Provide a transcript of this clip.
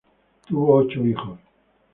Tuvo ocho hijos.